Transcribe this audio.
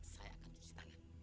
saya akan beri tangan